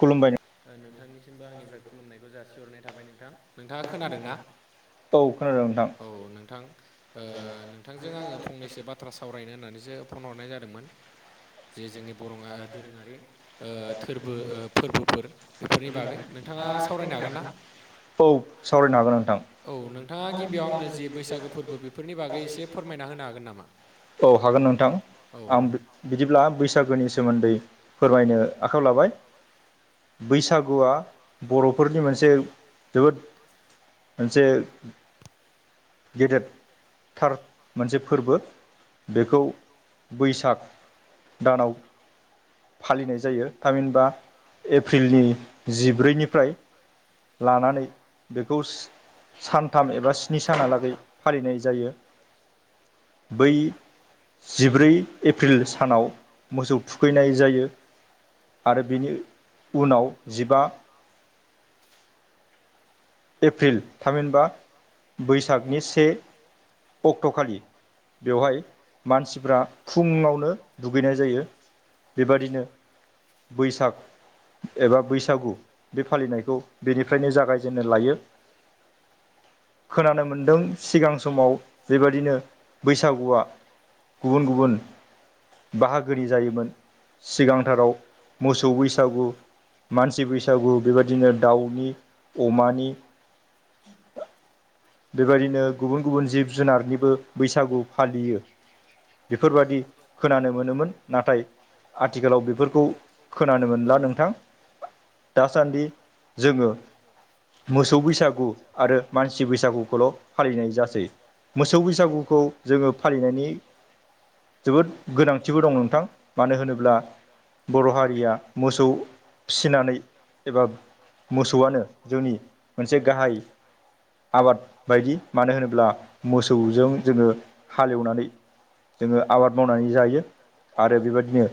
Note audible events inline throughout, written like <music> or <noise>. खुलुमबाय नों थांनिसिमबो आंनिफ्राय खुलुमनायखौ जासिहरनाय थाबाय नोंथां नोंथाङा खोनादों ना औ खोनादों नोंथां औ नोंथां ओ नोंथांजों आङो फंनैसो बाथ्रा सावरायनो होननानैसो फन हरनाय जादोंमोन। जे जोंनि बर' दोरोङारि फोर बो फोरबोफोर बे फोरनि बागै नोंथाङा सावरायनो हागोनना। औ सावरायनो हागोन नोंथां औ नोंथाङा गिबियाव आंनो जे बैसागो फोरबो बेफोरनि बागै एसे फोरमायना होनो हागोन नामा। औ हागोन नोंथां औ आं बिदिब्ला बैसागोनि सोमोन्दै फोरमायनो बाय बैसागुआ बर'फोरनि मोनसे जोबोद मोनसे गेदेद थार मोनसे फोरबो बेखौ बैसाग दानाव फालिनाय जायो थामहिनबा एप्रिलनि जिब्रैनिफ्राय लानानै बेखौ सान थाम एबा स्नि सानहालागै फालिनाय जायो बै जिब्रै एप्रिल सानाव मोसौ थुखैनाय जायो। आरो बिनि उनाव जिबा एप्रिल थामिनबा बैसागनि से अक्ट'खालि बेवहाय मानसिफ्रा फुंङावनो दुगैनाय जायो। बेबादिनो बैसाग एबा बैसागु बे फालिनायखौ बेनिफ्रायनो जागायजेन नो लायो। खोनानो मोनदों सिगां समाव बेबायादिनो बैसागुआ गुबुन गुबुन बाहागोनि जायोमोन। सिगांथाराव मोसौ बैसागु मानसि बैसागु बेबायदिनो दाउनि अमानि बेबायदिनो गुबुन गुबुन जिब जुनारनिबो बैसागु फालियो बेफोरबायादि खोनानो मोनोमोन नाथाय आथिखालाव बेफोरखौ खोनानो मोनला नोंथां दासान्दि जोंङो मोसौ बैसागु आरो मानसि बैसागुखौल' फालिनाय जासै मोसौ बैसागुखौ जोंङो फालिनायनि जोबोद गोनांथिबो दं नोंथां मानो होनोब्ला बर' हारिया मोसौ फिसिनानै एबा मोसौआनो जोंनि मोनसे गाहाय आबाद बायदि मानो होनोब्ला मोसौजों जोंङो हालेवनानै जोंङो आबाद मावनानै जायो आरो बेबायदिनो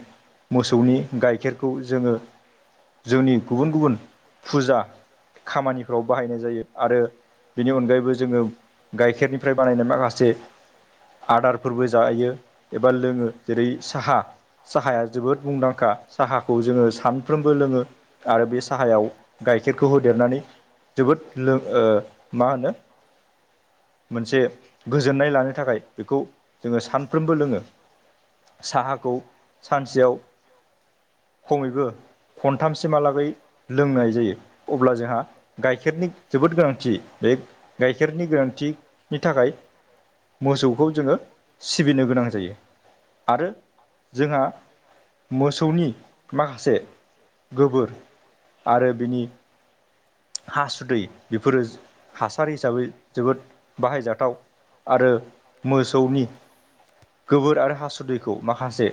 मोसौनि गाइखेरखौ जोंङो जोंनि गुबुन गुबुन फुजा खामानिफ्राव बाहायनाय जायो आरो बेनि अनगायैबो जोंङो गाइखेरनिफ्राय बानायनाय माखासे आदारफोरबो जायो एबा लोङो जेरै साहा साहाया जोबोद मुंदांखा साहाखौ जोंङो सानफ्रोमबो लोङो आरो बे साहायाव गाइखेरखौ होदेरनानै जोबोद लों ओ मा होनो मोनसे गोजोननाय लानो थाखाय बेखौ जोङो सानफ्रोमबो लोङो साहाखौ सानसेयाव खमैबो खनथामसिमहालागै लोंनाय जायो, अब्ला जोंहा गाइखेरनि जोबोद गोनांथि बे गाइखेरनि गोनांथिनि थाखाय मोसौखौ जोङो सिबिनो गोनां जायो आरो जोंहा मोसौनि माखासे गोबोर आरो बिनि हासुदै बेफोरो हासार हिसाबै जोबोद बाहायजाथाव आरो मोसौनि गोबोर आरो हासुदैखौ माखासे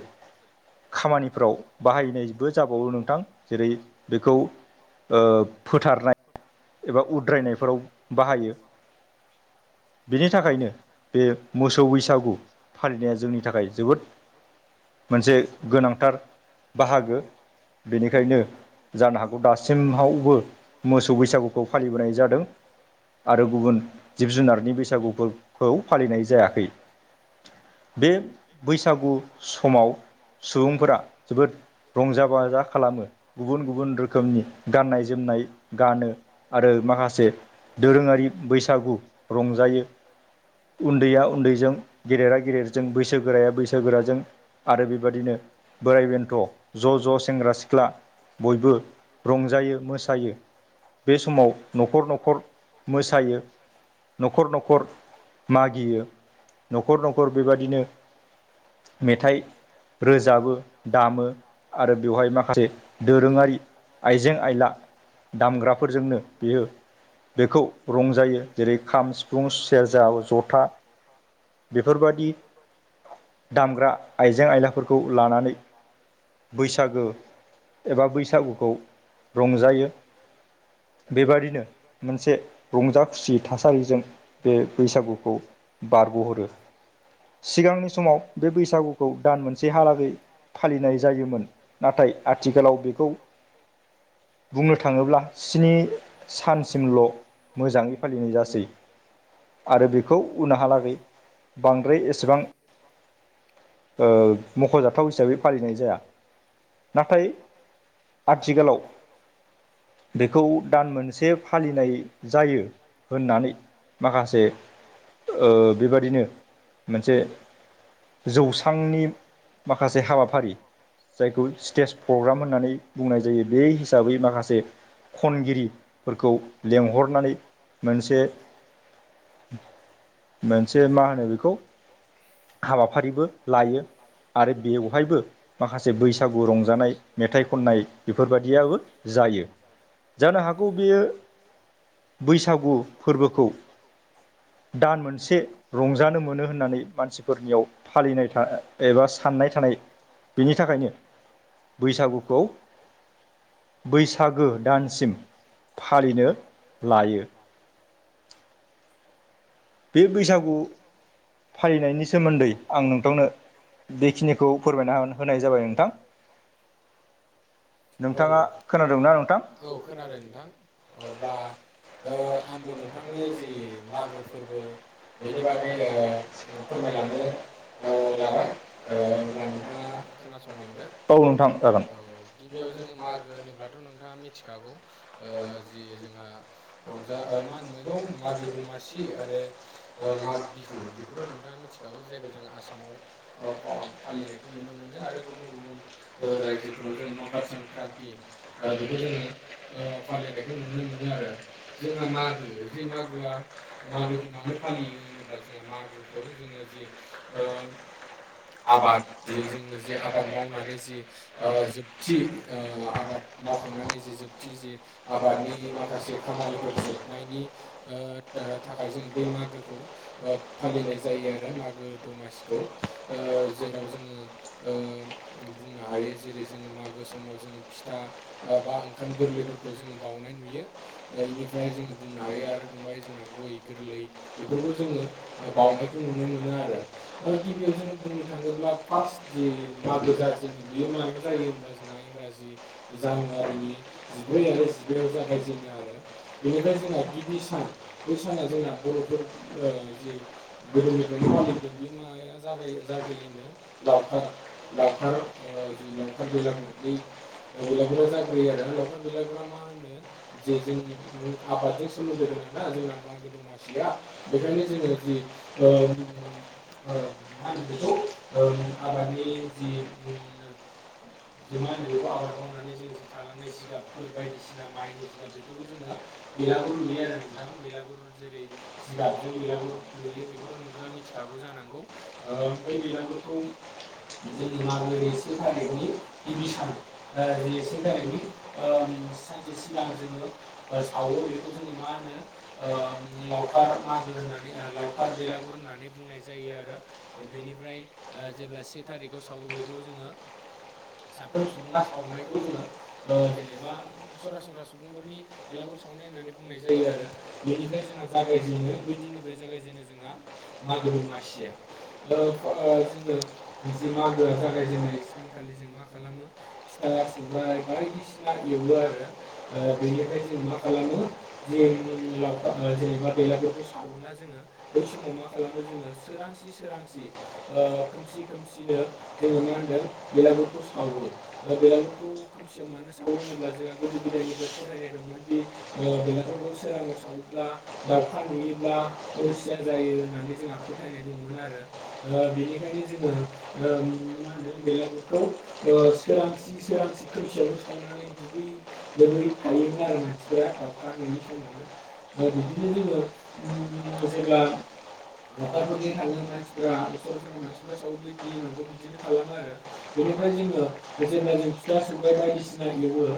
खामानिफ्राव बाहायनायबो जाबावो नोंथां जेरै बेखौ फोथारनाय एबा उद्रायनायफोराव बाहायो। बेनि थाखायनो बे मोसौ बैसागु फालिनाया जोंनि थाखाय जोबोद मोनसे गोनांथार बाहागो। बेनिखायनो जानो हागौ दासिमावबो मोसौ बैसागुखौ फालिबोनाय जादों। आरो गुबुन जिब जुनारनि बैसागुफोरखौ फालिनाय जायाखै। बे बैसागु समाव सुबुंफोरा जोबोद रंजा बाजा खालामो गुबुन गुबुन रोखोमनि गाननाय जोमनाय गानो। आरो माखासे दोरोङारि बैसागु रंजायो। उन्दैया उन्दैजों गेदेरा गेदेरजों बैसोगोराया बैसोगोराजों आरो बेबादिनो बोराइ बेन्थ' ज' ज' सेंग्रा सिख्ला बयबो रंजायो मोसायो। बे समाव न'खर न'खर मोसायो। न'खर न'खर मागियो। न'खर न'खर बेबादिनो मेथाइ रोजाबो दामो आरो बेवहाय माखासे दोरोङारि आइजें आइला दामग्रा फोरजोंनो बियो बेखौ रंजायो। जेरै खाम, सिफुं, सेरजा, जथा बेफोरबायदि दामग्रा आइजें आयलाफोरखौ लानानै बैसागो एबा बैसागुखौ रंजायो। बेबादिनो मोनसे रंजा खुसि थासारिजों बे बैसागुखौ बारग'हरो। सिगांनि समाव बे बैसागुखौ दान मोनसेहालागै फालिनाय जायोमोन। नाथाय आथिखालाव बेखौ बुंनो थाङोब्ला स्नि सानसिमल' मोजाङै फालिनाय जासै। आरो बेखौ उनहालागै बांद्राय एसेबां मख'जाथाव हिसाबै फालिनाय जाया। नाथाय आथिखालाव बेखौ दान मोनसे फालिनाय जायो होननानै माखासे बेबादिनो मोनसे जौस्रांनि माखासे हाबाफारि जायखौ स्टेज प्रग्राम होननानै बुंनाय जायो। बे हिसाबै माखासे खनगिरिफोरखौ लेंहरनानै मोनसे मोनसे मा होनो बेखौ हाबाफारिबो लायो आरो बेवहायबो माखासे बैसागु रंजानाय मेथाइ खननाय बेफोरबायदियाबो जायो। जानो हागौ बेयो बैसागु फोरबोखौ दान मोनसे रंजानो मोनो होननानै मानसिफोरनियाव फालिनाय था एबा साननाय थानाय बिनि थाखायनो बैसागुखौ बैसा सागो दानसिम फालिनो लायो। बे बैसागु फालिनायनि सोमोन्दै आं नोंथांनो बेखिनिखौ फोरमायना होनाय जाबाय नोंथां। औ नोंथाङा खोनादोंना नोंथां औ खोनादों नोंथां। अ अब्ला ओ आंबो नोंथांनो जि मागो फो फोरबो बेनि बागै ओ फोरमायलांनो ओ लाबाय ओ अब्ला नोंथाङा खोनासंलांदो औ नोंथां जागोन औ। बियाव जोङो मागो होनोब्लाथ' नोंथाङा मिथिखागौ। ओ जि जोंहा रंजा मा होनो मागो दमासि आरो माग बिहु बेखौथ' नोंथाङा मिथिखागौ जायखौ जोङो आसामाव फालिनायखौ नुनो मोनो आरो गुबुन गुबुन ओ रायजोफोराव जोङो माव कुकार संक्रान्ति बेखौ जोङो ओ फालिनायखौ नुनो मोनो आरो जोंहा मागो जे मागोआ मागोखौ मानो फालियो होनोब्ला जोंहा मागोखौ जोङो जि ओ आबाद जि जोङो जि आबाद मावनानै जि ओ जोब थि ओ आबाद मावखांनानै जि जोबथि जे आबादनि माखासे खामानिफोर जोबनायनि थाखाय ओ जोङो बै मागोखौ ओ फालिनाय जायो आरो मागो दमासिखौ ओ जेराव जोङो ओ बुंनो हायो जेरै जोङो मागो समाव जोङो फिथा बा ओंखाम गोरलैफोरखौ जोङो बावनाय नुयो इनिफ्राय जोङो बुंनो हायो आरो दंबाय जोंहा गय गोरलै बेफोरखौ जोङो बावनायखौ नुनो मोनो आरो गिबियाव जोङो बुंनो थाङोब्ला फार्स्ट जि मागो जाजेनो बियो मायाव जायो होनब्ला जोंहा इंराजि जानुवारिनि जिब्रै आरो जिबायाव जागायजेनो आरो बेनिफ्राय जोंहा गिबि सान बै साना जोंहा बर'फोर ओ जि गोदोनिफ्रायनो फालिबोदों बे माया जागायो जाग्रोयो होनदों लावखार लावखार ओ जि लावखार बेलागुर बे बेलागुरा जाग्रोयो आरो आरो लावखार बिलागुरा मा होनो जे जों आबादजों सोमोन्दो गोनां ना जोंना मागो दमासिया बेखायनो जोङो जि ओ मा होनो बेखौ ओम आबादनि जि ओम मा होनो बेखौ आबाद मावनानै जों जि थालांनाय जिगाबफोर बायदिसिना माइनि जिगाब बेफोरखौ जोङो बेलागुर लुयो आरो नोंथां बेलागुर जेरै जिगाबजों बेलागुर लुयो बेखौथ' नोंथाङा मिथिखागौ जानांगौ बै बेलागुरखौ जोङो मागोनि से थारिखनि गिबि सान जे से थारिखनि ओ सानसे सिगां जोङो सावो बेखौ जोङो मा होनो ओम लावखार मागो होननानै लावखार बेलागुर होननानै बुंनाय जायो आरो बेनिफ्राय जेब्ला से थारिखाव सावो बेखौ जोङो साफ्रोम सुबुङा सावनायखौ जोङो ओ जेनेबा सरासनस्रा सुबुंफोरनि बेलागुर सावनाय होननानै बुंनाय जायो आरो बेनिफ्राय जोंहा जागायजेनो बै दिननिफ्राय जागायजेनो जोंहा मागो दमासिया। ओ जोङो जि मागोआ जागायजेननाय सानखालि जों मा खालामो फिथा सौराइ बायदिसिना एवो आरो ओ बेनिफ्राय जोङो मा खालामो जि लाव जेनेबा बेलागुरखौ सावोना जोङो बै समाव मा खालामो जोङो सोरांसि सोरांसि ओ खोमसि खोमसिनो जोङो मा होनदों बेलागुर खौ सावो बेलागुरखौ खोमसियाव मानो सावो होनोब्ला जोंहा गोदो गोदायनिफ्राय फोथायनाय दंमोन दि बेलागफोरखौ सोराङाव सावोब्ला दाउखा नुयोब्ला अलसिया जायो होननानै जोंहा फोथायनाय दंमोन आरो बेनिखायनो जोङो मा होनदों बेलागुरखौ सोरांसि सोरांसि खोमसियावनो सावनानै दुगैयै लोबै थायोमोन आरो मानसिफोरा दाउखा नुयै समावनो ओ बिदिनो जोङो जेब्ला लावखारफोरनिया थाङो मानसिफ सरासनस्रा मानसिफ सावो बेनि उनावबो बिदिनो खालामो आरो फ्राय जो जेब्ला जों फि फिथा सौरायाइ बायदिसिना एवो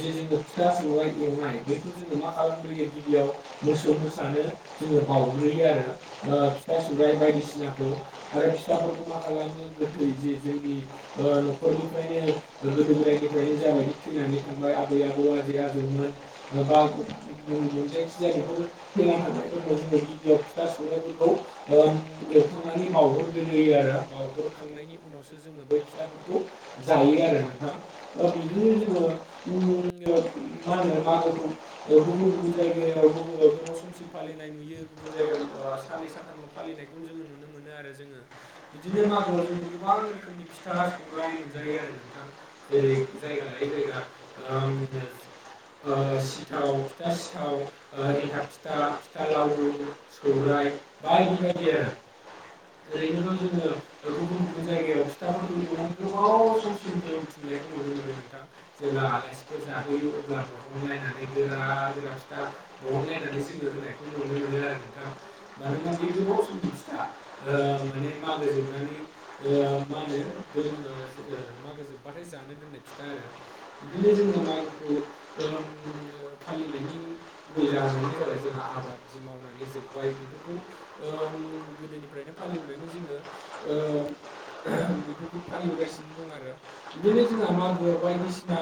जे जोङो फिथा सौराइ एवनाय बैखौ जोङो मा खालामग्रोयो गिबियाव मोसौ मोसानो जोङो बाउग्रोयो आरो फिथा सौराइ बायदिसिनाखौ आरो फिथाफोरखौ मा खालामो गोथै जे जोंनि न'खरनिफ्रायनो गोदो गोदायनिफ्रायनो जाबायदि थैनानै थांबाय आबै आबौ आजै आजौमोन बा गुबुन गुबुन जायखिजाया बेफोर थैना थांनायफोरनो जोङो गिबियाव फिथा सौरायाइफोरखौ एवखांनानै बावउहरग्रोयो आरो बावउहरखांनायनि उनावसो जोङो बै फि खोथाफोरखौ जायो आरो नों बिदिनो जोङो मा होनो मागोखौ गुबुन गुबुन जायगायाव गुब गोबाव समसिम फालिनाय नुयो गुबुन जायगायाव साननै सानथामल' फालिनायखौ जोङो नुनो मोनो आरो जोङो बिदिनो मागोआव जोङो गोबां रोखोमनि फिथ फिसा सौराय मोनजायो आरो नोंथां जेरै जायगा लायै जायगा सिथाव फिथा सिथाव एन्थाब फिथा फिथा लावदुम सौराय बायदि बायदि आरो ओरैनोथ' जोङो गुबुन गुबुन जायगायाव फिथाफोरखौ एवनानै गोबाव समसिम दोनथुमनाय खौ' नुनो मोनो नोंथां जेब्ला आलासिफोर जाहोयो अब्ला बहनलायनानै गोरा गोरा फिथा बहनलायनानै जोङो होनायखौ नुनो मोनो आरो नोंथां मानोना बे गोबाव समनि फिथा माने मागो जोबनानै मा होनो मागो जोब बाथाय जानो दोननाय फिथा आरो बिदिनो जोङो मागोखौ फालिनायनि गुबै जाहोनानो जाबाय जोंहा आबाद जि मावनानै जोब्बाय बेफोरखौ गोदोनि ओमफ्रायनो फालिबोनानै जोङो बेफोरखौ फालिबोगासिनो दं आरो बिदिनो जोंहा मागोआव बायदिसिना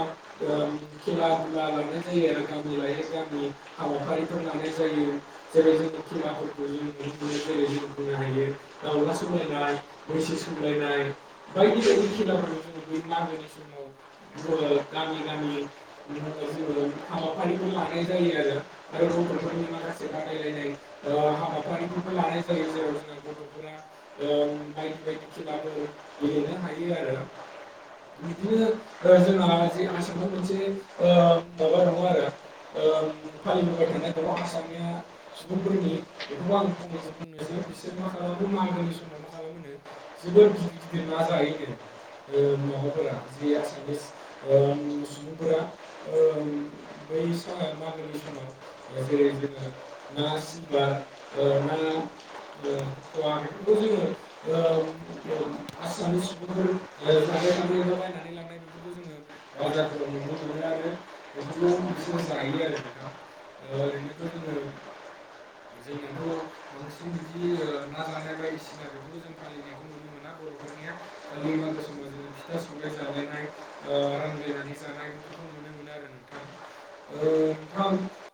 खेला दुला लानाय जायो आरो गामि लायै गामि हाबाफारिफोर लानाय जायो जेरै जोङो खेलाफोरखौ जों नुनो मोनो जेरै जों बुं ायो दाला सौलनाय मैसो सौलायनाय बायदि बायदि खेलाफोरखौ जो बै मागोनि समाव गामि गामि जोङो हाबाफारिफोर लानाय जायो आरो आरो गथ'फोरनि माखासे बादायलायनाय हाबा फारिफोरबो लानाय जायो जेराव जोंहा गथ'फोरा बायदि बायदि खेलाफोर गेलेनो हायो आरो <inaudible> बिदिनो जोंहा जि आसामाव मोनसे माबा दङ आरो फालिबोबाय थानाय दङ आसामिया सुबुंफोरनि बेखौबो आं फंनैसो बुंनोसै बि बिसोर मा खालामो मागोनि समाव मा खालामो जोबोद गिदिर गिदिर ना जायोनो माबाफोरा जि आसामिस सुबुंफोरा बै स मागोनि समाव जेरै जोङो ना सिलभार ओ ना ननो बखवा बेफोरखौ जोङो आसामिस सुबुंफोर जाबाय थानाय बा बायनानै लांनाय बेफोरखौ जोङो बाजारफ्राव नुनो मोनो आरो बेफोरखौ बिसोर जायो आरो नोंथां ओरैनोथ' जोङो जोंनाथ' बांसिन बिदि न जानाय बायदिसिना बेफोरखौ जों फालिनायखौ नुनो मोना बर'फोरनिया खालि म समाव जोङो फिथा सौर जालायनाय रानलायनानै जानाय बेफोरखौ नुनो मोनो आरो नोंथां नोंथां